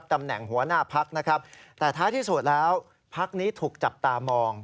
แต่ท้ายที่สุดแล้วพักนี้ถูกจับตามอง